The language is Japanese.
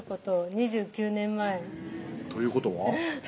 ２９年前ということは？